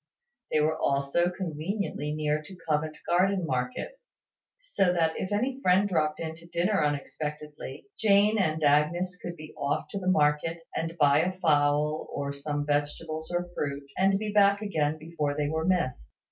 They were also conveniently near to Covent Garden market; so that, if any friend dropped in to dinner unexpectedly, Jane and Agnes could be off to the market, and buy a fowl, or some vegetables or fruit, and be back again before they were missed.